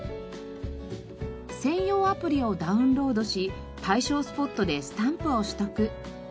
専用アプリをダウンロードし対象スポットでスタンプを取得。